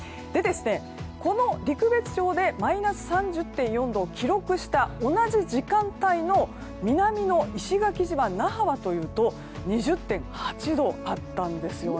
この陸別町でマイナス３０．４度を記録した同じ時間帯の南の石垣島那覇はというと２０．８度あったんですね。